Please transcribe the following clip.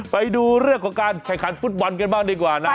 ไปดูเรื่องของการแข่งขันฟุตบอลกันบ้างดีกว่านะ